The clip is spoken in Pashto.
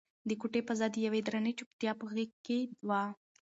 د کوټې فضا د یوې درنې چوپتیا په غېږ کې وه.